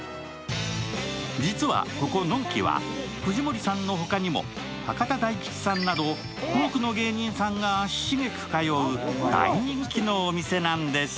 実はここ、のんきは、藤森さんの他にも博多大吉さんなど多くの芸人さんが足繁く通う大人気のお店なんです。